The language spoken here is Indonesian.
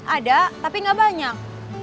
ada tapi gak banyak